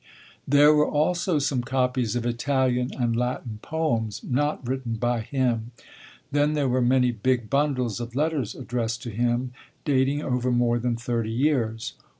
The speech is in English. There were also some copies of Italian and Latin poems not written by him. Then there were many big bundles of letters addressed to him, dating over more than thirty years.